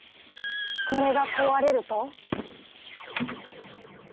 これが壊れると。